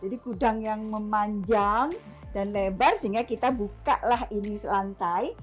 jadi gudang yang memanjang dan lebar sehingga kita buka lah ini lantai